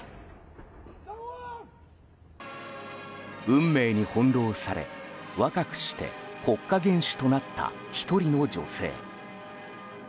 運命に翻弄され若くして国家元首となった１人の女性。